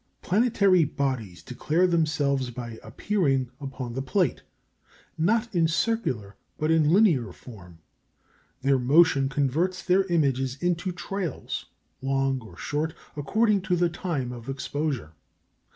Planetary bodies declare themselves by appearing upon the plate, not in circular, but in linear form. Their motion converts their images into trails, long or short according to the time of exposure.